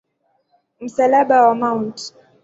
Msalaba wa Mt.